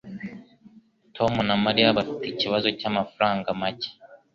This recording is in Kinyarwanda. Tom na Mariya bafite ikibazo cyamafaranga make.